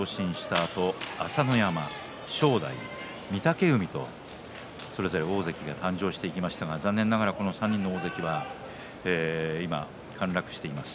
あと朝乃山、正代、御嶽海と大関に昇進してきましたが残念ながら、この３人は大関から陥落しています。